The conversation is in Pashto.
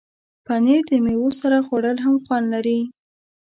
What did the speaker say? پنېر د میوو سره خوړل هم خوند لري.